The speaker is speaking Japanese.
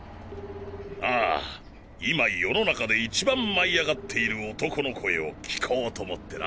ああ今世の中で一番舞い上がっている男の声を聞こうと思ってな。